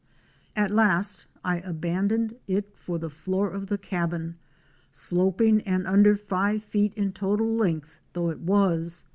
At last I abandoned it for the floor of the cabin, sloping and under five feet in total length though it was.